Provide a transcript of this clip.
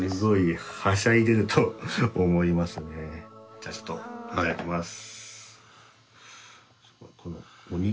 じゃあちょっといただきます。